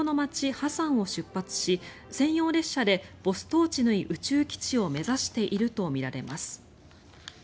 ハサンを出発し専用列車でボストーチヌイ宇宙基地を目指しているとみられます。